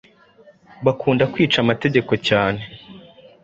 Bakunda kwica amategeko cyane,